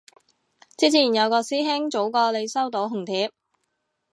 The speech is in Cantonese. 之前有個師兄早過你收到紅帖